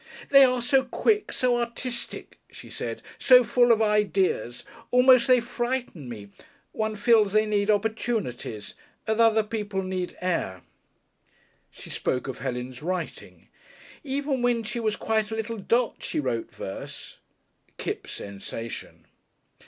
"They are so quick, so artistic," she said, "so full of ideas. Almost they frighten me. One feels they need opportunities as other people need air." She spoke of Helen's writing. "Even when she was quite a little dot she wrote verse." (Kipps, sensation.)